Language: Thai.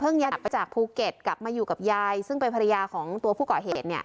ย้ายจากภูเก็ตกลับมาอยู่กับยายซึ่งเป็นภรรยาของตัวผู้ก่อเหตุ